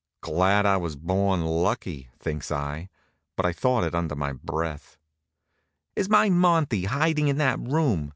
"Glad I was born lucky," thinks I, but I thought it under my breath. "Is my Monty hiding in that room?"